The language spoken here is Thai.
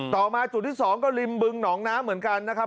ต่อมาจุดที่๒ก็ริมบึงหนองน้ำเหมือนกันนะครับ